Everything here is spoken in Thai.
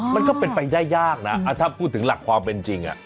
มันก็เป็นไปได้ยากนะถ้าพูดถึงหลักความเป็นจริง